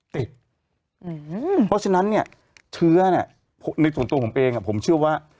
เพราะฉะนั้นเนี่ยเชื้อในส่วนตัวผมเองผมเชื่อว่า